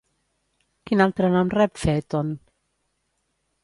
Quin altre nom rep Faetont?